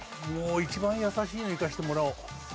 もう一番易しいのをいかせてもらおう。